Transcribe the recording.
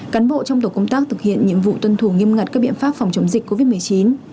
cán bộ trong tổ công tác thực hiện nhiệm vụ tuân thủ nghiêm ngặt các biện pháp phòng chống dịch covid một mươi chín